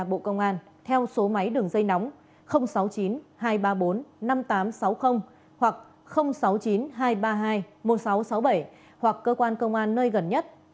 bộ công an theo số máy đường dây nóng sáu mươi chín hai trăm ba mươi bốn năm nghìn tám trăm sáu mươi hoặc sáu mươi chín hai trăm ba mươi hai một nghìn sáu trăm sáu mươi bảy hoặc cơ quan công an nơi gần nhất